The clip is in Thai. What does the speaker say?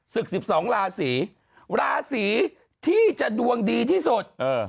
สึกสิบสองลาศรีลาศรีที่จะดวงดีที่สุดเออ